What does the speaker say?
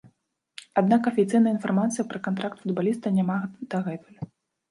Аднак афіцыйнай інфармацыі пра кантракт футбаліста няма дагэтуль.